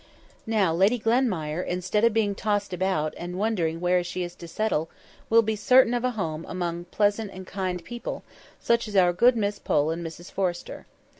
Now, Lady Glenmire, instead of being tossed about, and wondering where she is to settle, will be certain of a home among pleasant and kind people, such as our good Miss Pole and Mrs Forrester.